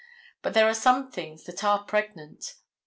But there are some things that are pregnant.